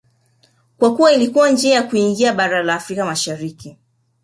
kwa kuwa ilikuwa njia ya kuingia barani Afrika Mashariki